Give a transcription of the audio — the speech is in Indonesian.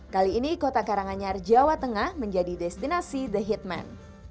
kali ini kota karanganyar jawa tengah menjadi destinasi the hitman